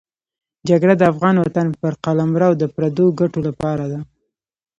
جګړه د افغان وطن پر قلمرو د پردو ګټو لپاره ده.